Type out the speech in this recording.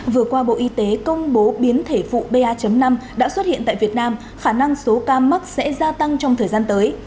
vừa qua bộ y tế công bố biến thể vụ ba năm đã xuất hiện tại việt nam khả năng số ca mắc sẽ gia tăng trong thời gian tới